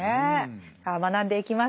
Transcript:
さあ学んでいきましょう。